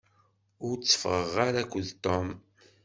Ur teffɣeɣ ara akked Tom.